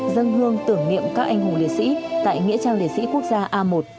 dân hương tưởng niệm các anh hùng liệt sĩ tại nghĩa trang liệt sĩ quốc gia a một